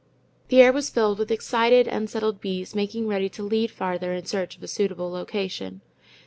The air was filled with excited, unsettled bees making ready to lead farther in search of a suitable location.